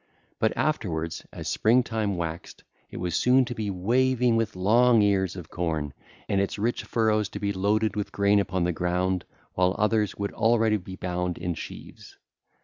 But afterwards, as springtime waxed, it was soon to be waving with long ears of corn, and its rich furrows to be loaded with grain upon the ground, while others would already be bound in sheaves.